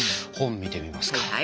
本を見てみますか。